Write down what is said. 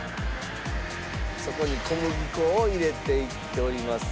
そこに小麦粉を入れていっております。